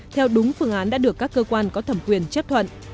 theo đúng phương án đã được các cơ quan có thẩm quyền chấp thuận